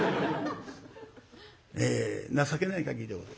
情けない限りでございます。